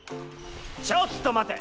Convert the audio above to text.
ちょっと待て。